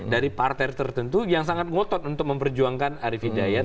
dari partai tertentu yang sangat ngotot untuk memperjuangkan arief hidayat